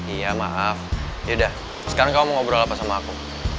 iya maaf yaudah sekarang kamu ngobrol apa sama aku